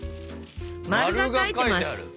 まるが描いてます！